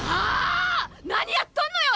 何やっとんのよ